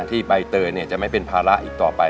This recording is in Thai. ที่ใบเตยเนี่ยจะไม่เป็นภาระอีกต่อไป